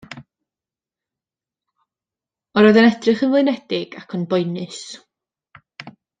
Roedd e'n edrych yn flinedig ac yn boenus.